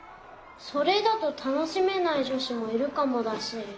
それだとたのしめないじょしもいるかもだし。